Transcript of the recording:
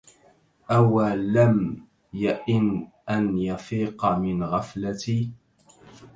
أو لم يأن أن يفيق من الغفلة